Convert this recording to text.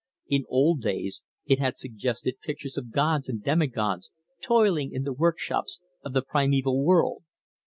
In old days it had suggested pictures of gods and demi gods toiling in the workshops of the primeval world.